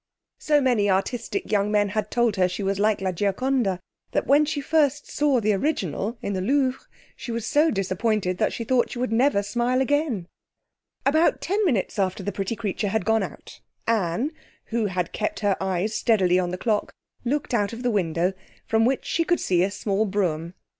So many artistic young men had told her she was like La Gioconda, that when she first saw the original in the Louvre she was so disappointed that she thought she would never smile again. About ten minutes after the pretty creature had gone out, Anne, who had kept her eyes steadily on the clock, looked out of the window, from which she could see a small brougham driving up.